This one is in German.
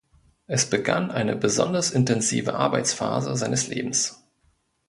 Es begann eine besonders intensive Arbeitsphase seines Lebens.